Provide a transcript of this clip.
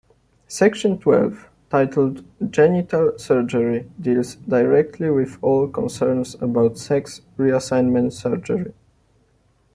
Section Twelve, titled "Genital Surgery," deals directly with all concerns about sex reassignment surgery.